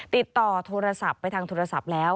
ติดต่อโทรศัพท์ไปทางโทรศัพท์แล้ว